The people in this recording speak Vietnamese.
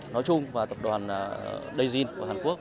nói chung và tập đoàn đây duyên của hàn quốc